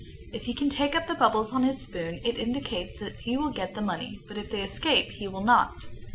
If he can take up the bubbles on his spoon, it indicates that he will get the money, but if they escape he will not.